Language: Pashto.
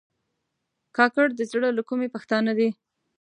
کاکړ د زړه له کومي پښتانه دي.